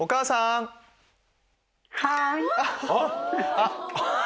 あっ！